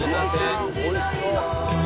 おいしそう。